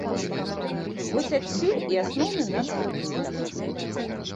Вось адсюль і асноўны наша прыбытак.